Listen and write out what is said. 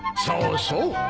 そうそう。